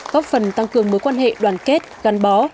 góp phần tăng cường mối quan hệ đoàn kết gắn bó